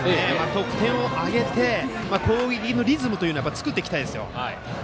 得点を挙げて攻撃のリズムを作っていきたいですよ。